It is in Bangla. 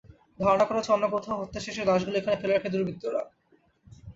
ধারণা করা হচ্ছে, অন্য কোথাও হত্যা শেষে লাশগুলো এখানে ফেলে রাখে দুর্বৃত্তরা।